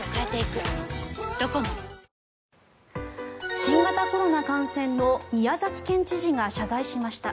新型コロナ感染の宮崎県知事が謝罪しました。